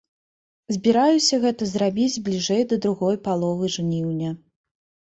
Збіраюся гэта зрабіць бліжэй да другой паловы жніўня.